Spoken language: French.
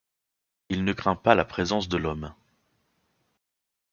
Il ne craint pas la présence de l'homme.